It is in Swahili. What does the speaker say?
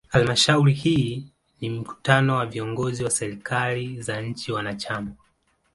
Halmashauri hii ni mkutano wa viongozi wa serikali za nchi wanachama.